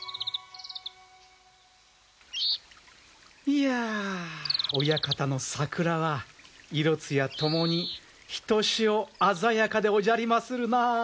いやお館の桜は色艶共にひとしお鮮やかでおじゃりまするなあ。